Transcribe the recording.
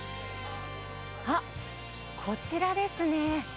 あっ、こちらですね。